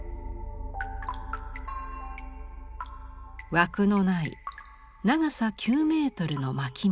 枠のない長さ９メートルの巻物。